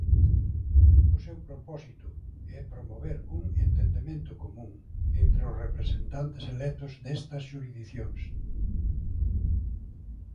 O seu propósito é promover un entendemento común entre os representantes electos destas xurisdicións.